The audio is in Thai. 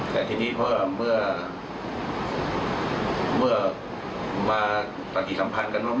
แต่ทีนี้เพราะว่าเมื่อมาปฏิสัมพันธ์กัน